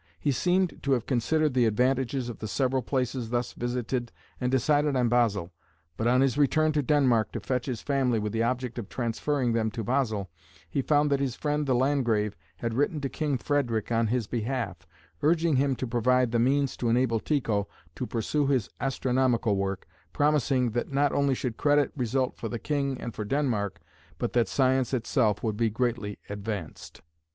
He seemed to have considered the advantages of the several places thus visited and decided on Basle, but on his return to Denmark to fetch his family with the object of transferring them to Basle, he found that his friend the Landgrave had written to King Frederick on his behalf, urging him to provide the means to enable Tycho to pursue his astronomical work, promising that not only should credit result for the king and for Denmark but that science itself would be greatly advanced.